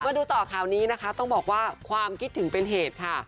มาดูต่อข่าวนี้นะคะต้องบอกว่าความคิดถึงเป็นเหตุค่ะ